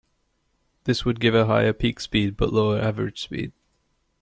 This would give a higher peak speed but a lower average speed.